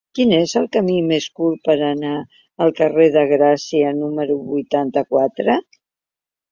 Quin és el camí més curt per anar al carrer de Gràcia número vuitanta-quatre?